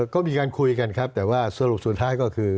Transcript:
ก็มีการคุยกันครับแต่ว่าสรุปสุดท้ายก็คือ